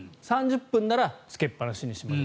３０分ならつけっぱなしにしましょう。